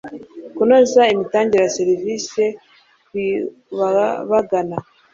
kunoza imitangire ya serivisi ku babagana